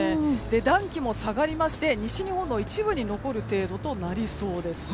暖気も下がりまして西日本の一部に残る程度となりそうです。